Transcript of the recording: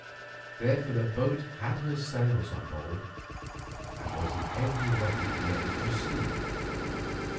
Therefore the boat had her sails on board, and was in every way ready for sea.